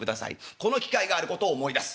この機会があることを思い出す。